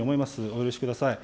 お許しください。